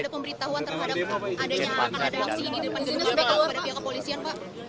ada pemberitahuan terhadap adanya akan ada aksi ini di depan gedung kpk kepada pihak kepolisian pak